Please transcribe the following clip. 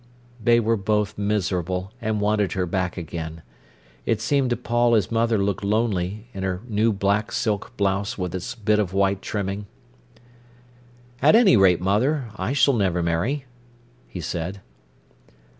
They were both miserable, and wanted her back again. It seemed to Paul his mother looked lonely, in her new black silk blouse with its bit of white trimming. "At any rate, mother, I s'll never marry," he said.